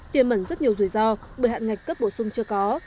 tiềm mẩn rất nhiều rủi ro bởi hạn ngạch cấp bổ sung chưa có